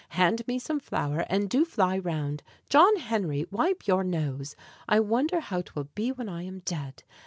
Hand me some flour, And do fly round. John Henry, wipe your nose! I wonder how 'twill be when I am dead?